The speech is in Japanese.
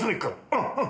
うんうん。